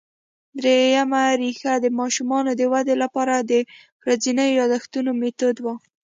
درېیمه ریښه د ماشوم د ودې له پاره د ورځينو یادښتونو مېتود وو